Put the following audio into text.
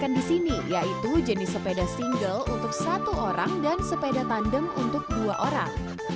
yang di sini yaitu jenis sepeda single untuk satu orang dan sepeda tandem untuk dua orang